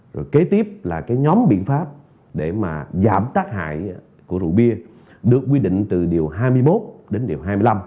rồi kế tiếp là cái nhóm biện pháp để mà giảm tác hại của rượu bia được quy định từ điều hai mươi một đến điều hai mươi năm